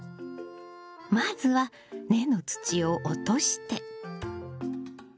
まずは根の土を落として。